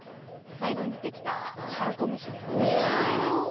最後に出てきたはらこ飯ですね。